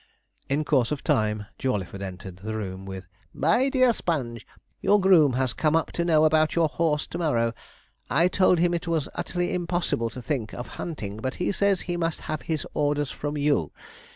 In course of time, Jawleyford entered the room, with: 'My dear Mr. Sponge, your groom has come up to know about your horse to morrow. I told him it was utterly impossible to think of hunting, but he says he must have his orders from you.